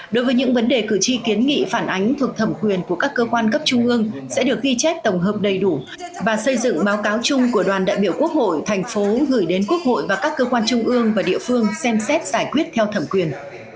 đối với những vấn đề cử tri kiến nghị phản ánh thuộc thẩm quyền của các cơ quan cấp trung ương sẽ được ghi chép tổng hợp đầy đủ và xây dựng báo cáo chung của đoàn đại biểu quốc hội thành phố gửi đến quốc hội và các cơ quan trung ương và địa phương xem xét giải quyết theo thẩm quyền